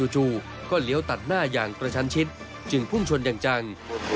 จู่ก็เลี้ยวตัดหน้าอย่างกระชันชิดจึงพุ่งชนอย่างจัง